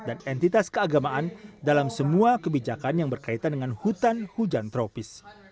dan entitas keagamaan dalam semua kebijakan yang berkaitan dengan hutan hujan tropis